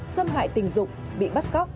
xâm hại tình dục bị bắt cóc